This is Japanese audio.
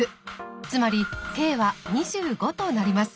つまりｋは２５となります。